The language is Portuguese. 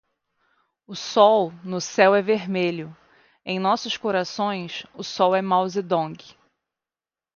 O sol no céu é vermelho, em nossos corações, o sol é Mao Zedong